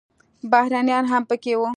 بهرنیان هم پکې وو.